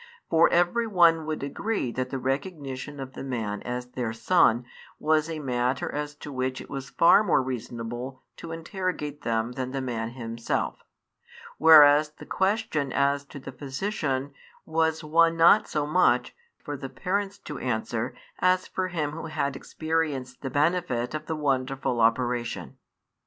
For every one would agree that the recognition of the man as their son was a matter as to which it was far more reasonable to interrogate them than the man himself, whereas the question as to the Physician was one not so much, for the parents to answer as for him who had experienced the benefit of the wonderful operation.